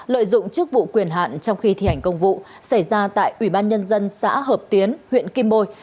lợi dụng chức vụ quyền hạn trong khi thi hành công vụ xảy ra tại ủy ban nhân dân xã hợp tiến huyện kim bôi